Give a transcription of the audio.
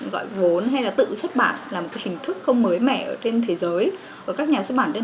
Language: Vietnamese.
gọi vốn hay là tự xuất bản là một hình thức không mới mẻ ở trên thế giới và các nhà xuất bản trên